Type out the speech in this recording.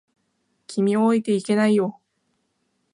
君を置いていけないよ。